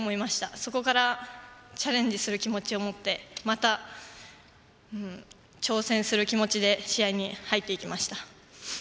そこからチャレンジする気持ちを持ってまた挑戦する気持ちで試合に入っていきました。